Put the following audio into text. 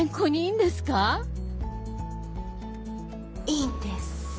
いいんです。